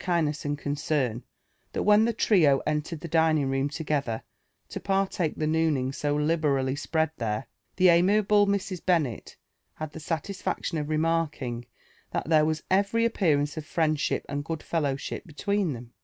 49t kindness and concern, that when the trio entered the dining room together to partake the nooning so liberally spread there/ the amiable Mrs. Bennet had the satisfaction of remarking that there was every ap pearance of friendship and good fellowship between Ihem.